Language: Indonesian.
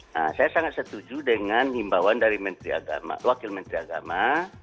nah saya sangat setuju dengan himbauan dari wakil menteri agama